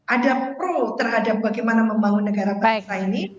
ada pro terhadap bagaimana membangun negara bangsa ini